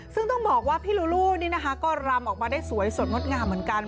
ซึ่งต้องบอกว่าพี่ลูลูนี่นะคะก็รำออกมาได้สวยสดงดงามเหมือนกัน